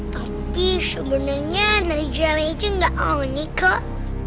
tapi sebenarnya nyari jawa itu gak aneh kok